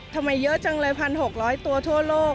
ทำไมเยอะจังเลย๑๖๐๐ตัวทั่วโลก